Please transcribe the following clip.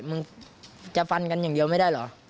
มึงจะฟันกันอย่างเดียวไม่ได้เหรอ